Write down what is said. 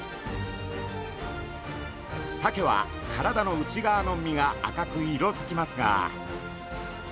サケは体の内側の身が赤く色づきますが。